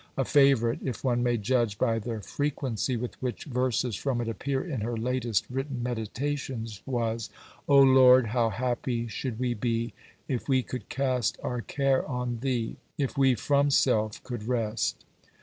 A favourite, if one may judge by the frequency with which verses from it appear in her latest written meditations, was "O Lord, how happy should we be, If we could cast our care on Thee, If we from self could rest."